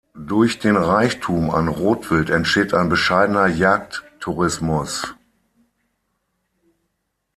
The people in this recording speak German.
Durch den Reichtum an Rotwild entsteht ein bescheidener Jagd-Tourismus.